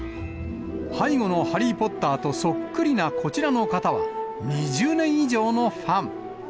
背後のハリー・ポッターとそっくりなこちらの方は、２０年以上のファン。